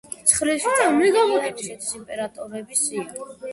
ცხრილში წარმოდგენილია რუსეთის იმპერატორების სია.